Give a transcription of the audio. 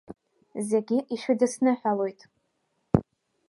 Зегьы ишәыдаҳныҳәалоиг!